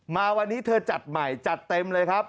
มาวันนี้เธอจัดใหม่จัดเต็มเลยครับ